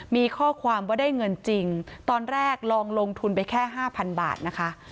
มีข้อความว่าได้เงินจริงตอนแรกลองลงทุนไปแค่ห้าพันบาทนะคะ